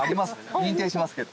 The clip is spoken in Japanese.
認定しますけど。